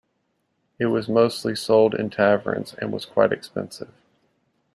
It was mostly sold in taverns and was quite expensive.